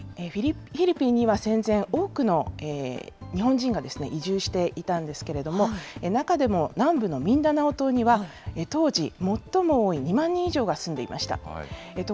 フィリピンには戦前、多くの日本人が移住していたんですけれども、中でも南部のミンダナオ島には、当時、最も多い２万人以上が住んでいました。